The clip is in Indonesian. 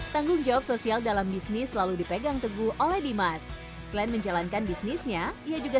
tanggung jawab sosial dalam bisnis selalu dipegang teguh oleh dimas selain menjalankan bisnisnya ia juga